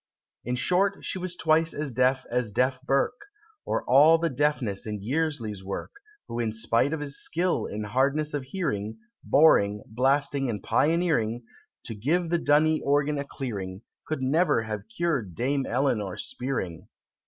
In short, she was twice as deaf as Deaf Burke, Or all the Deafness in Yearsley's work, Who in spite of his skill in hardness of hearing, Boring, blasting, and pioneering, To give the dunny organ a clearing, Could never have cured Dame Eleanor Spearing.